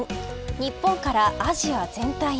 日本からアジア全体へ。